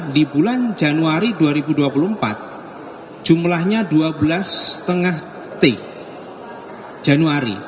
di bulan januari dua ribu dua puluh empat jumlahnya dua belas lima t januari